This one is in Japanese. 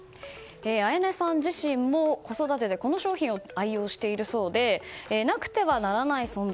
あやねさん自身も子育てでこの商品を愛用しているそうでなくてはならない存在